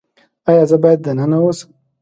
ایا زه باید دننه اوسم؟